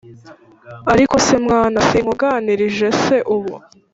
Ariko se mwana sinkuganirije se ubu